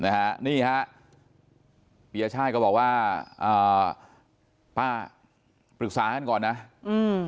นี่ฮะปียชาติก็บอกว่าอ่าป้าปรึกษากันก่อนนะอืม